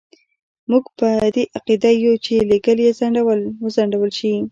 موږ په دې عقیده یو چې لېږل یې وځنډول شي.